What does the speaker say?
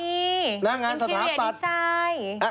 นี่อินเชียร์ดีไซน์